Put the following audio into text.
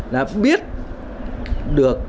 là biết được